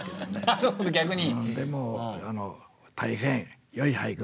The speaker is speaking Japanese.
なるほど逆に。